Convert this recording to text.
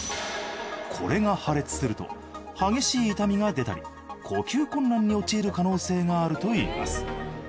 これが破裂すると激しい痛みが出たり呼吸困難に陥る可能性があるといいます